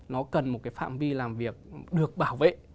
nó cần một cái phạm vi làm việc được bảo vệ